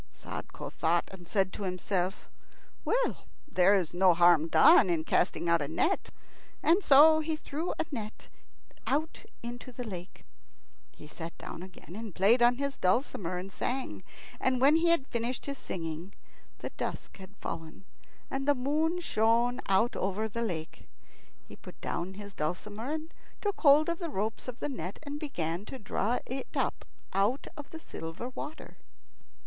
Sadko thought, and said to himself: "Well, there is no harm done in casting out a net." So he threw a net out into the lake. He sat down again and played on his dulcimer and sang, and when he had finished his singing the dusk had fallen and the moon shone over the lake. He put down his dulcimer and took hold of the ropes of the net, and began to draw it up out of the silver water.